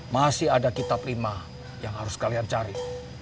masih ada kitab prima yang harus kalian cari